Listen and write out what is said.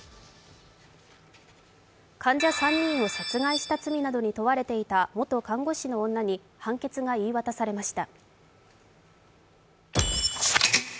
患者３人を殺害した罪などに問われていた元看護師の女に判決が言い渡されました。